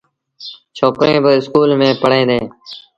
ڇوڪريݩ با اسڪول ميݩ پڙوهيݩ ديٚݩ ۔